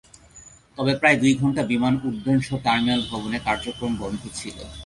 তবে প্রায় দুই ঘণ্টা বিমান উড্ডয়নসহ টার্মিনাল ভবনে কার্যক্রম বন্ধ ছিল।